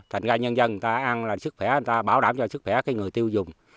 thành ra nhân dân người ta ăn là sức khỏe người ta bảo đảm cho sức khỏe cái người tiêu dùng